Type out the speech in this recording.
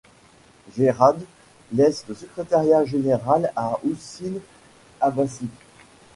Jerad laisse le secrétariat général à Houcine Abassi.